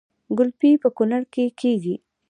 ګلپي په کونړ کې کیږي